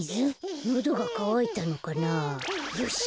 よし！